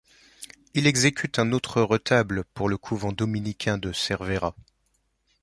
Il exécute un autre retable pour le couvent dominicain de Cervera.